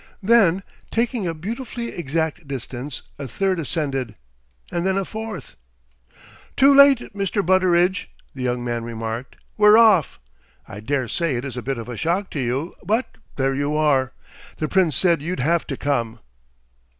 Then, taking a beautifully exact distance, a third ascended, and then a fourth. "Too late, Mr. Butteridge!" the young man remarked. "We're off! I daresay it is a bit of a shock to you, but there you are! The Prince said you'd have to come."